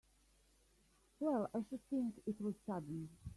Well I should think it was sudden!